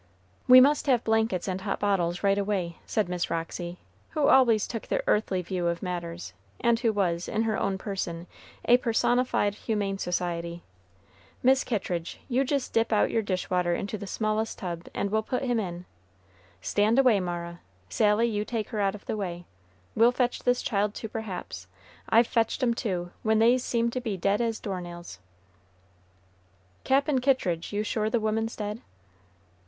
"We must have blankets and hot bottles, right away," said Miss Roxy, who always took the earthly view of matters, and who was, in her own person, a personified humane society. "Miss Kittridge, you jist dip out your dishwater into the smallest tub, and we'll put him in. Stand away, Mara! Sally, you take her out of the way! We'll fetch this child to, perhaps. I've fetched 'em to, when they's seemed to be dead as door nails!" "Cap'n Kittridge, you're sure the woman's dead?"